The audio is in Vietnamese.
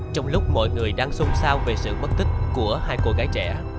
trong lúc mọi người đang sung sao về sự mất tích của hai cô gái trẻ